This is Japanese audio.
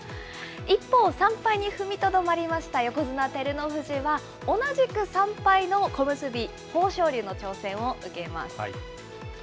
一方、３敗に踏みとどまりました横綱・照ノ富士は、同じく３敗の小結・豊昇龍の挑戦を受けます。